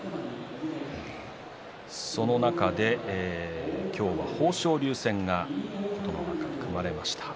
その中で豊昇龍戦が琴ノ若、組まれました。